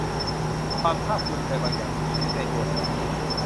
ความภาคภูมิใจบางอย่างถูกทิ้งไว้ในตัวฉัน